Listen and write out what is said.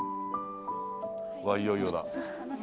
わっいよいよだ。